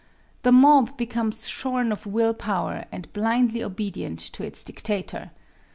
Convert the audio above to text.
The mob becomes shorn of will power and blindly obedient to its dictator.